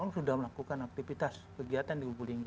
orang sudah melakukan aktivitas kegiatan di lubulingga ini